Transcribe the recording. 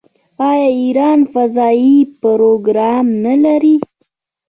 آیا ایران فضايي پروګرام نلري؟